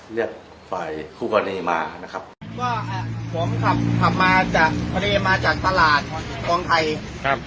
เรียกฝ่ายคู่กรณีมานะครับก็อ่าผมขับขับมาจากทะเลมาจากตลาดคลองไทยครับ